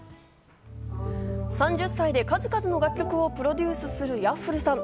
３０歳で数々の楽曲をプロデュースするＹａｆｆｌｅさん。